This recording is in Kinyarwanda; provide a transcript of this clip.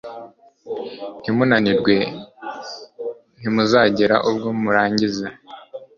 ntimunanirwe, ntimuzagera ubwo murangiza